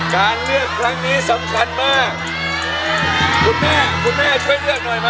การเลือกครั้งนี้สำคัญมากคุณแม่คุณแม่ช่วยเลือกหน่อยไหม